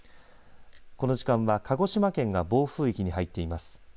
この時間は鹿児島県が暴風域に入ってます。